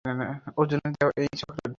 অর্জুনের দেওয়া এই চকলেট।